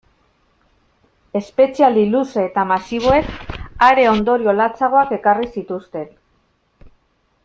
Espetxealdi luze eta masiboek are ondorio latzagoak ekarri zituzten.